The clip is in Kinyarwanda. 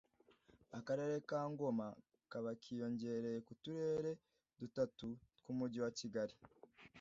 Akarere ka Ngoma kaba kiyongereye k’uturere dutatu tw’umujyi wa Kigali